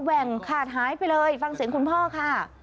แหว่งขาดหายไปเลยฟังเสียงคุณพ่อค่ะ